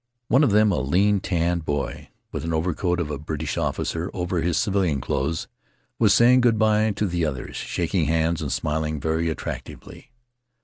One of them, a lean, tanned boy, with the overcoat of a British officer over his civilian clothes, was saying good by to the others, shaking hands and smiling very attractively.